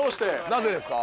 なぜですか？